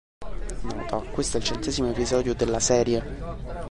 Nota: Questo è il centesimo episodio della serie.